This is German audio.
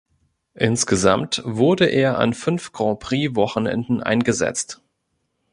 Insgesamt wurde er an fünf Grand-Prix-Wochenenden eingesetzt.